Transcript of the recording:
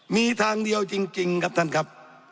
มีทางเดียวจริงครับท่านครับ